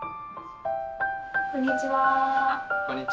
こんにちは。